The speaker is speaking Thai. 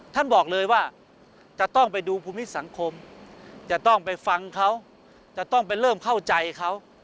ท่านบอกเลยว่าจะต้องไปดูภูมิสังคมจะต้องไปฟังเขาจะต้องไปเริ่มเข้าใจเขา